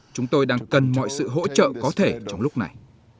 chúng tôi đang cần mọi sự hỗ trợ có thể trong lúc này